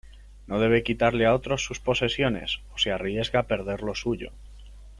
No debe quitarle a otros sus posesiones, o se arriesga a perder lo suyo.